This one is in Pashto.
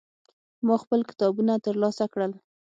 ما خپل کتابونه ترلاسه کړل.